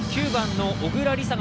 ９番の小倉莉